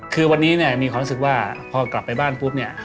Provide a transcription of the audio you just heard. คือวันนี้เนี่ยมีความรู้สึกว่าพอกลับไปบ้านปุ๊บเนี่ย